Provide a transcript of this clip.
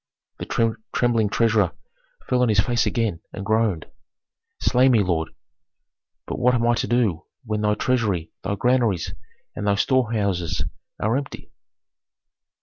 The trembling treasurer fell on his face again, and groaned, "Slay me, lord! But what am I to do when thy treasury, thy granaries, and thy storehouses are empty?"